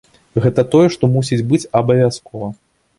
Гэта тое, што мусіць быць абавязкова.